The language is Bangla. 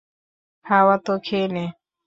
খাওয়া তো খেয়ে নে!